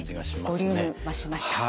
ボリューム増しました。